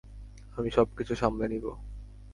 আমি সবকিছু সামলে নিব।